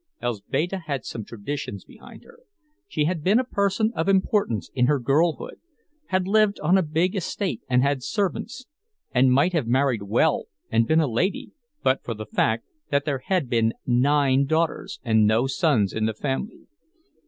—Elzbieta had some traditions behind her; she had been a person of importance in her girlhood—had lived on a big estate and had servants, and might have married well and been a lady, but for the fact that there had been nine daughters and no sons in the family.